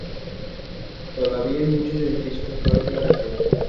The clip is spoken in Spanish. Todavía hay muchos edificios históricos de la ciudad.